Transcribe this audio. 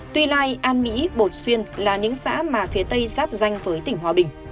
tuy lai an mỹ bột xuyên là những xã mà phía tây giáp danh với tỉnh hòa bình